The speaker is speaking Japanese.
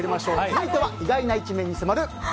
続いては、意外な一面に迫る